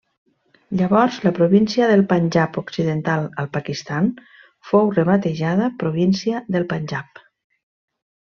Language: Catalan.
Llavors la província del Panjab Occidental al Pakistan fou rebatejada província del Panjab.